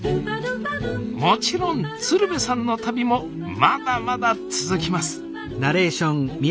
もちろん鶴瓶さんの旅もまだまだ続きます